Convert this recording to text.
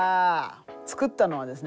作ったのはですね